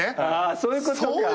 そういうことか。